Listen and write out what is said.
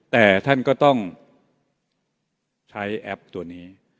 แต่ท่านก็ต้องใช้แอปตัวนี้